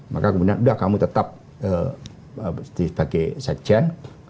maka kemudian sudah kamu tetap sebagai sejen